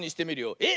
えっ！